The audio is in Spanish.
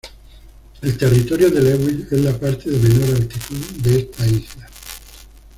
El territorio de Lewis es la parte de menor altitud de esta isla.